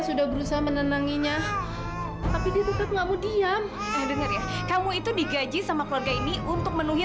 sampai jumpa di video selanjutnya